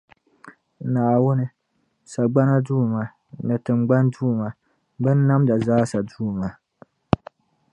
Naawuni, sagbana Duuma, ni tiŋgbani duuma, binnamda zaasa duuma.